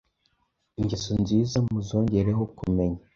ingeso nziza muzongereho kumenya,